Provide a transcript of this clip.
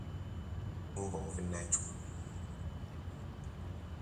Networking envolve networking.